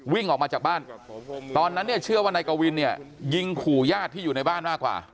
วิ่งออกมาจากบ้านตอนนั้นเนี่ยเชื่อว่านายกวินเนี่ยยิงขู่ญาติที่อยู่ในบ้านมากกว่า